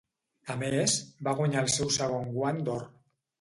A més, va guanyar el seu segon Guant d'Or.